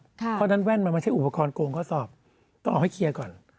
เพราะฉะนั้นแว่นมันไม่ใช่อุปกรณ์โกงข้อสอบต้องออกให้เคลียร์ก่อน